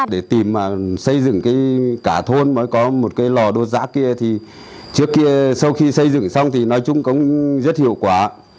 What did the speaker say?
để tìm xây dựng cái cả thôn mới có một cái lò đốt giã kia thì trước kia sau khi xây dựng xong thì nói chung cũng rất hiệu quả